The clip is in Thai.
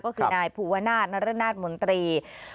ก็คือนายภูวนาศนรนาศมนตรี